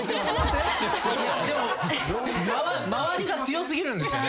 周りが強過ぎるんですよね。